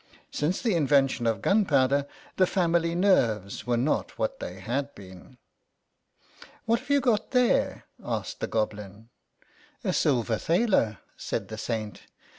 Since the invention of gunpowder the family nerves were not what they had been. " What have you got there ?" asked the Goblin. " A silver thaler," said the Saint.